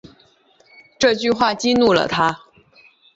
这句话激怒了他